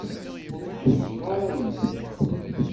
Ur teḥṛiceḍ ara am nekk.